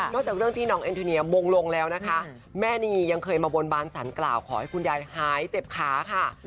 จากเรื่องที่น้องแอนโทเนียมงลงแล้วนะคะแม่นียังเคยมาบนบานสารกล่าวขอให้คุณยายหายเจ็บขาค่ะ